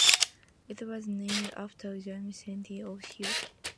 It was named after Guernsey County, Ohio.